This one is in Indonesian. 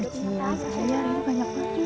kecilan saya rina